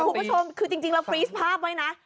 คุณผู้ชมคือจริงเราฟรีสภาพไว้นะ